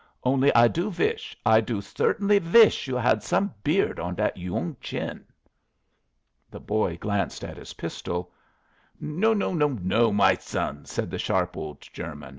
Only I do vish, I do certainly vish you had some beard on that yoong chin." The boy glanced at his pistol. "No, no, no, my son," said the sharp old German.